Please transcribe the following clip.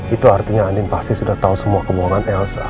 itu artinya andin pasti sudah tahu semua kebohongan